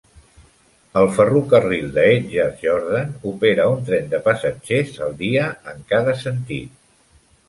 El ferrocarril de Hedjaz Jordan opera un tren de passatgers al dia en cada sentit.